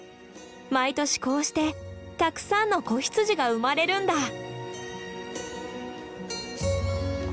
毎年こうしてたくさんの子羊が生まれるんだ。